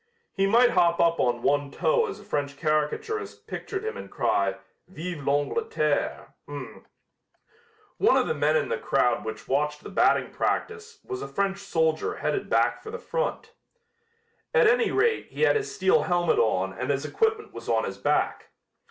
He might hop up on one toe as a French caricaturist pictured him and cry: "Vive l'Angleterre." One of the men in the crowd which watched the batting practice was a French soldier headed back for the front. At any rate he had his steel helmet on and his equipment was on his back.